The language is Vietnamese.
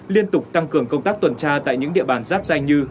liên tục tăng cường công tác tuần tra tại những địa bàn giáp danh như